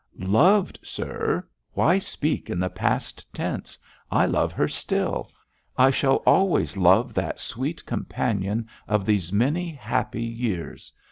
'Loved, sir! Why speak in the past tense? I love her still. I shall always love that sweet companion of these many happy years.